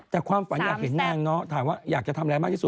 แต่ความฝันอยากเห็นนางเนาะถามว่าอยากจะทำอะไรมากที่สุด